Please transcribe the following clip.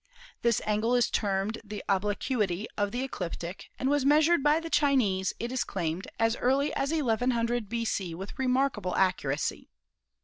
This angle is termed the obliquity of the ecliptic and was meas ured by the Chinese, it is claimed, as early as noo B.C. with remarkable accuracy.